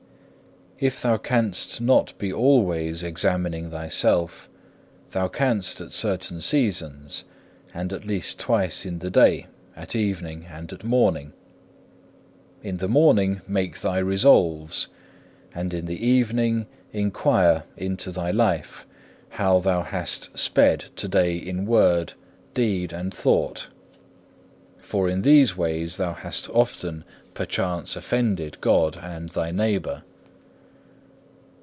4. If thou canst not be always examining thyself, thou canst at certain seasons, and at least twice in the day, at evening and at morning. In the morning make thy resolves, and in the evening inquire into thy life, how thou hast sped to day in word, deed, and thought; for in these ways thou hast often perchance offended God and thy neighbour.